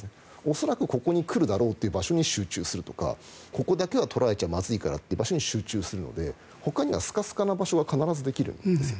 恐らくここに来るだろう場所に集中するとかここだけは取られちゃまずいからという場所に集中するのでほかにスカスカの場所はできるんです。